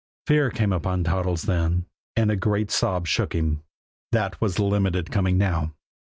Fear came upon Toddles then, and a great sob shook him. That was the Limited coming now!